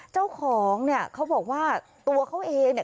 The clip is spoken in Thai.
เจ้าของเนี่ยเขาบอกว่าตัวเขาเองเนี่ย